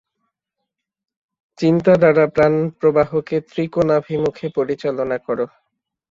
চিন্তা দ্বারা প্রাণপ্রবাহকে ত্রিকোণাভিমুখে পরিচালনা কর।